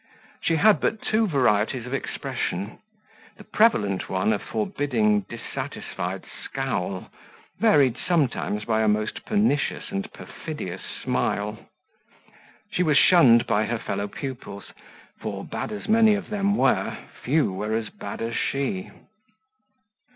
She had but two varieties of expression; the prevalent one a forbidding, dissatisfied scowl, varied sometimes by a most pernicious and perfidious smile. She was shunned by her fellow pupils, for, bad as many of them were, few were as bad as she.